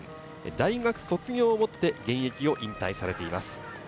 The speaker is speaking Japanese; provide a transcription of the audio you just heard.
大学卒業をもって現役を引退されています。